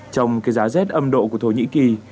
trong cái giá rét âm độ của thổ nhĩ kỳ